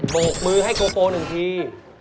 โบกมือให้โกโปหนึ่งที